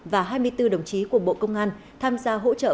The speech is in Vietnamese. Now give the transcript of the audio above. và hai mươi bốn đồng chí của bộ công an tham gia hỗ trợ